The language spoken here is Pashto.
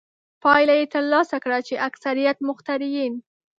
پایله یې ترلاسه کړه چې اکثریت مخترعین.